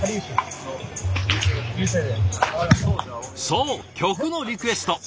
そう曲のリクエスト。